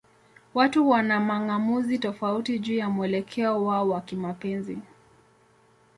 Watu wana mang'amuzi tofauti juu ya mwelekeo wao wa kimapenzi.